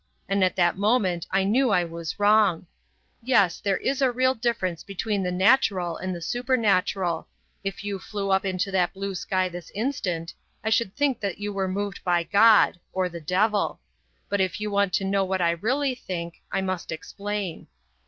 And at that moment I knew I was wrong. Yes, there is a real difference between the natural and the supernatural: if you flew up into that blue sky this instant, I should think that you were moved by God or the devil. But if you want to know what I really think...I must explain."